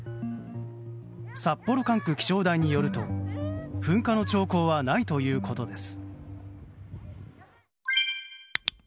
札幌管区気象台によると噴火の兆候はないということです。